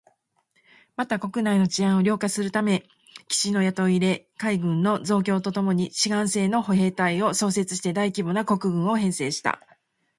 また、国内の治安を良化するため、騎士の雇い入れ、海軍の増強とともに志願制の歩兵隊を創設して大規模な国軍を編成した